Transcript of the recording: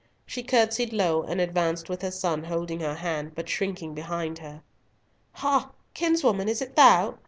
She curtsied low, and advanced with her son holding her hand, but shrinking behind her. "Ha, kinswoman, is it thou!"